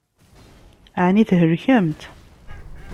Ɛni thelkemt?